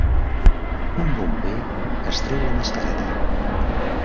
Un bomber es treu la mascareta.